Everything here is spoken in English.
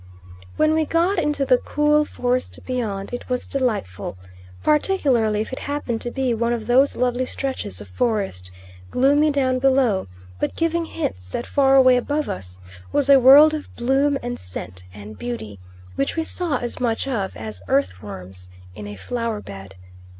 When we got into the cool forest beyond it was delightful; particularly if it happened to be one of those lovely stretches of forest, gloomy down below, but giving hints that far away above us was a world of bloom and scent and beauty which we saw as much of as earth worms in a flower bed.